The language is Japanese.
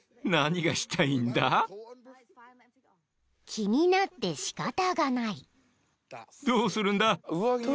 ［気になってしかたがない］